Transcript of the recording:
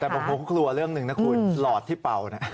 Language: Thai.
แต่ผมกลัวเรื่องหนึ่งนะคุณหลอดที่เป่านะ